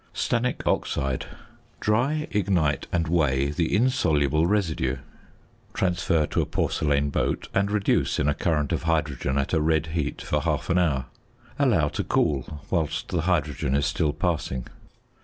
~Stannic Oxide.~ Dry, ignite, and weigh the insoluble residue. Transfer to a porcelain boat, and reduce in a current of hydrogen at a red heat for half an hour. Allow to cool whilst the hydrogen is still passing.